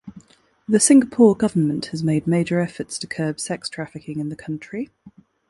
The Singapore government has made major efforts to curb sex trafficking in the country.